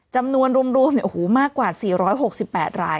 จำนวนรวมเนี่ยโอ้โหมากกว่า๔๖๘ราย